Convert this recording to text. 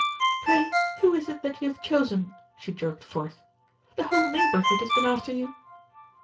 "Pray who is it that you have chosen?" she jerked forth. "The whole neighborhood has been after you."